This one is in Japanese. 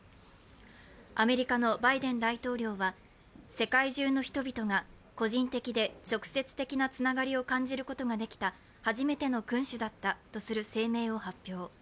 アメリカのバイデン大統領は世界中の人々が個人的で直接的なつながりを感じることができた初めての君主だったとする声明を発表。